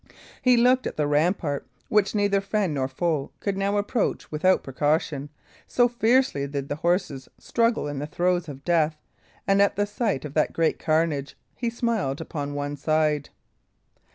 He looked at the rampart, which neither friend nor foe could now approach without precaution, so fiercely did the horses struggle in the throes of death, and at the sight of that great carnage he smiled upon one side.